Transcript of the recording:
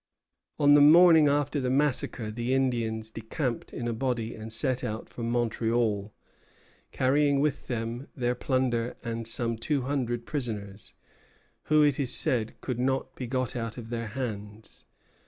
On the morning after the massacre the Indians decamped in a body and set out for Montreal, carrying with them their plunder and some two hundred prisoners, who, it is said, could not be got out of their hands.